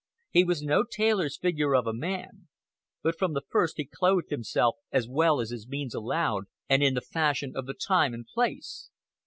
He was no tailor's figure of a man; but from the first he clothed himself as well as his means allowed, and in the fashion of the time and place.